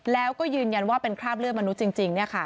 แล้วก็ยืนยันว่าเป็นคราบเลือดมนุษย์จริง